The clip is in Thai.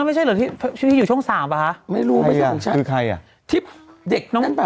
ไม่ใช่เหรอที่ที่อยู่ช่วงสามป่ะฮะไม่รู้ไม่ใช่คือใครอ่ะที่เด็กนั้นป่ะ